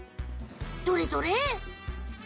どれどれ？